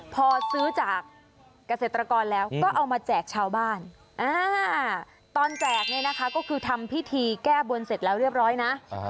พอซื้อจากเกษตรกรแล้วก็เอามาแจกชาวบ้านตอนแจกเนี่ยนะคะก็คือทำพิธีแก้บนเสร็จแล้วเรียบร้อยนะ